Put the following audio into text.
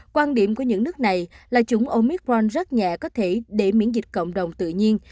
quan điểm của những nước này là chủng omicron rất nhẹ có thể để miễn dịch cộng đồng tự nhiên